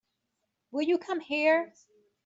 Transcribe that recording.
Will you come here?